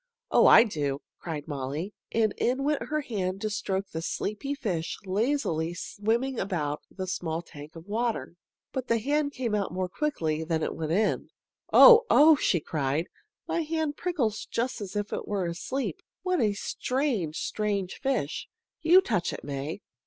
"Oh, I do!" cried Molly, and in went her hand to stroke the sleepy fish lazily swimming about in a small tank of water. But the hand came out more quickly than it went in. "Oh! oh!" she cried. "My hand prickles just as if it were asleep. What a strange, strange fish! You touch it, May."